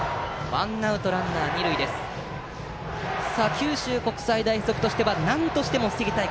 九州国際大付属としてはなんとしても防ぎたい